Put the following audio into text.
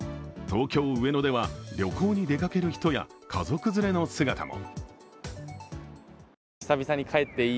東京・上野では、旅行に出かける人や、家族連れの姿も。